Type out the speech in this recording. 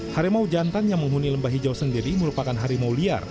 harimau jantan yang menghuni lembah hijau sendiri merupakan harimau liar